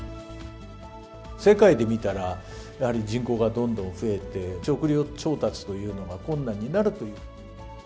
世界で見たら、やはり人口がどんどん増えて、食料調達というのが困難になるという。